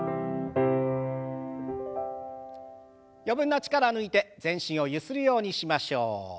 余分な力を抜いて全身をゆするようにしましょう。